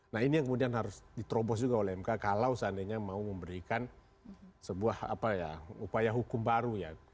nah ini yang kemudian harus diterobos juga oleh mk kalau seandainya mau memberikan sebuah upaya hukum baru ya